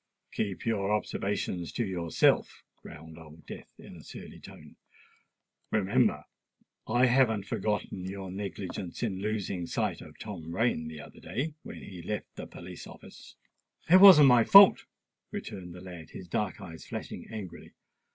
"Keep your observations to yourself," growled Old Death in a surly tone. "Remember, I haven't forgot your negligence in losing sight of Tom Rain the other day, when he left the police office." "It wasn't my fault," returned the lad, his dark eyes flashing angrily.